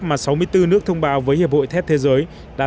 sản lượng thép mà sáu mươi bốn nước thông báo với hiệp hội thép thế giới